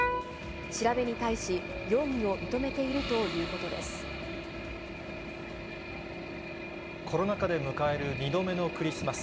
調べに対し、容疑を認めているとコロナ禍で迎える２度目のクリスマス。